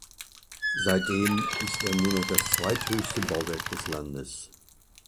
Seitdem ist er nur noch das zweithöchste Bauwerk des Landes.